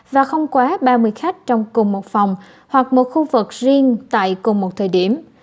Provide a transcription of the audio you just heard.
và không quá ba mươi khách trong cùng một phòng hoặc một khu vực riêng tại cùng một thời điểm